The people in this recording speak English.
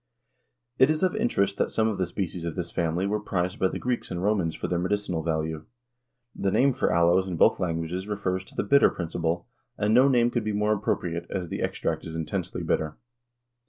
It is of interest that some of the species of this family were prized by the Greeks and Romans for their medicinal value. The name for aloes in both languages refers to the bitter principle, and no name could be more appropriate, as the extract is intensely bitter.